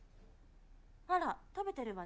あら食べてるわね。